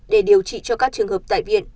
để điều trị cho các trường hợp tại viện